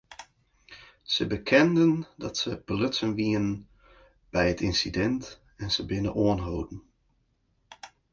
Sy bekenden dat se belutsen wiene by it ynsidint en se binne oanholden.